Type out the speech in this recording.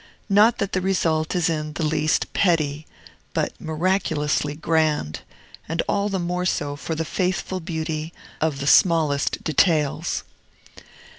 Not that the result is in the least petty, but miraculously grand, and all the more so for the faithful beauty of the smallest details.